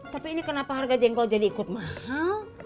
tapi ini kenapa harga jengkol jadi ikut mahal